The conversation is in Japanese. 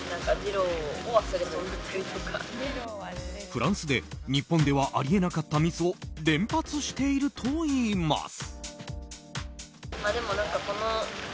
フランスで日本ではあり得なかったミスを連発しているといいます。